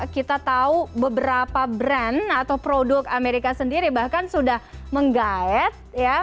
kita tahu beberapa brand atau produk amerika sendiri bahkan sudah menggayat